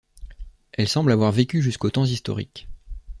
Elle semble avoir vécu jusqu'aux temps historiques.